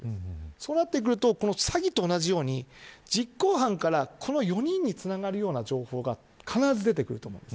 そうなってくると詐欺と同じように実行犯から４人につながるような情報が必ず出てくると思います。